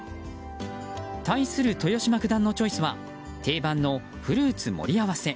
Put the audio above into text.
対する豊島九段のチョイスは定番のフルーツ盛り合わせ。